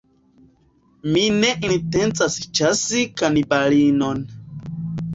Mi ne intencas ĉasi kanibalinon.